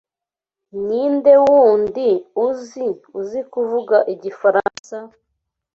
Ninde wundi uzi uzi kuvuga igifaransa?